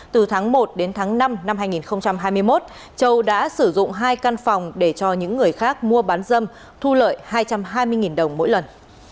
từ tháng một đến tháng năm năm hai nghìn hai mươi một châu đã sử dụng hai căn phòng để cho những người khác mua bán dâm thu lợi hai trăm hai mươi đồng mỗi lần